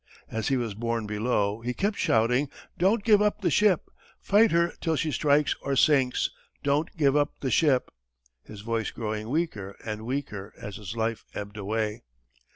As he was borne below, he kept shouting, "Don't give up the ship! Fight her till she strikes or sinks! Don't give up the ship!" his voice growing weaker and weaker as his life ebbed away.